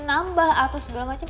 nambah atau segala macem